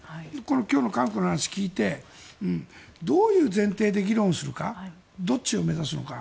今日の韓国の話を聞いてどういう前提で議論するかどっちを目指すのか。